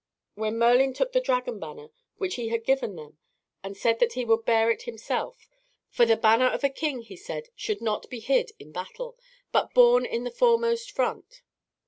Then Merlin took the dragon banner which he had given them and said that he would bear it himself; "for the banner of a king," he said, "should not be hid in battle, but borne in the foremost front."